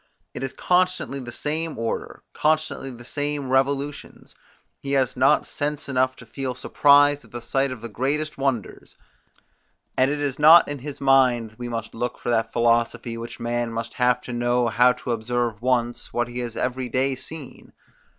It is constantly the same order, constantly the same revolutions; he has not sense enough to feel surprise at the sight of the greatest wonders; and it is not in his mind we must look for that philosophy, which man must have to know how to observe once, what he has every day seen.